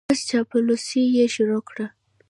بس چاپلوسي یې شروع کړه.